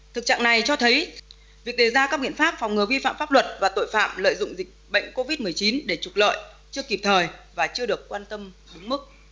thực trạng này cho thấy việc đề ra các biện pháp phòng ngừa vi phạm pháp luật và tội phạm lợi dụng dịch bệnh covid một mươi chín để trục lợi chưa kịp thời và chưa được quan tâm đúng mức